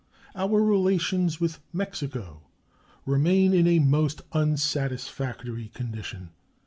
Our relations with Mexico remain in a most unsatisfactory condition.